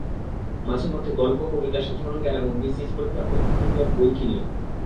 মাঝেমধ্যে গল্প, কবিতা, সাধারণ জ্ঞান এবং বিসিএস পরীক্ষার প্রস্তুতিমূলক বইও কিনি।